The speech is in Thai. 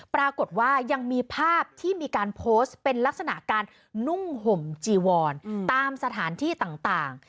ปรากฏว่ายังมีภาพที่มีการโพสต์เป็นลักษณะการนุ่งห่มจีวอนตามสถานที่ต่าง